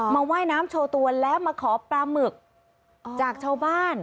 ว่ายน้ำโชว์ตัวแล้วมาขอปลาหมึกจากชาวบ้าน